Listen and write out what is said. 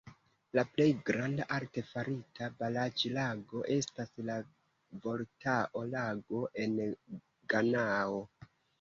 La plej granda arte farita baraĵlago estas la Voltao-Lago en Ganao.